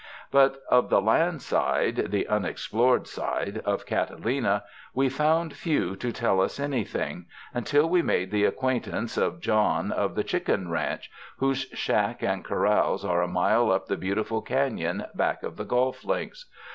But of the land side — the unexplored side— of Catalina, we found few to tell us anything, until we made the acquaintance of 184 WINTER ON THE ISLE OF SUMMER John of the chicken ranch, whose shack and corrals are a mile up the beautiful canon back of the golf links.